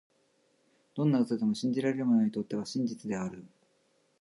どんな嘘でも、信じられる者にとっては真実である。